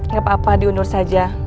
nggak apa apa diundur saja